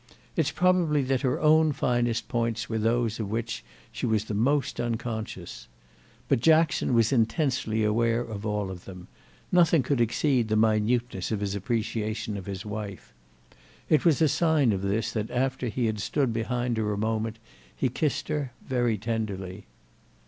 It's probable that her own finest points were those of which she was most unconscious. But Jackson was intensely aware of all of them; nothing could exceed the minuteness of his appreciation of his wife. It was a sign of this that after he had stood behind her a moment he kissed her very tenderly.